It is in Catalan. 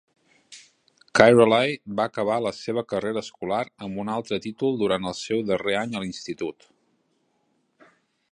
Kiraly va acabar la seva carrera escolar amb una altre títol durant el seu darrer any a l'institut.